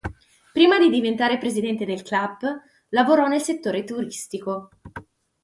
Prima di diventare presidente del club, lavorò nel settore turistico.